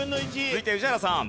続いて宇治原さん。